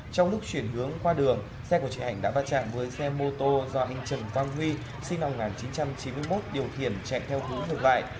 trong lúc chuyển hướng qua đường xe của chị hạnh đã bắt chạm với xe mô tô do anh trần quang huy sinh năm một nghìn chín trăm chín mươi một điều khiển chạy theo hú như vậy